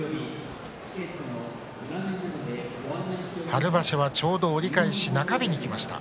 春場所はちょうど折り返し中日にきました。